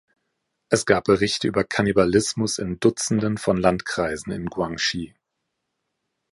Es gab Berichte über Kannibalismus in Dutzenden von Landkreisen in Guangxi.